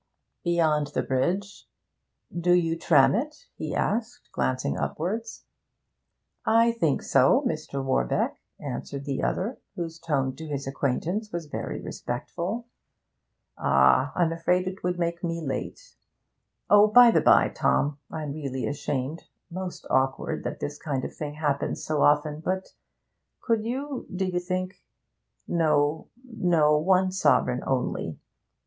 Beyond the bridge 'Do you tram it?' he asked, glancing upwards. 'I think so, Mr. Warbeck,' answered the other, whose tone to his acquaintance was very respectful. 'Ah! I'm afraid it would make me late. Oh, by the bye, Tom, I'm really ashamed most awkward that this kind of thing happens so often, but could you, do you think? No, no; one sovereign only.